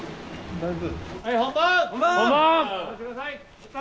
大丈夫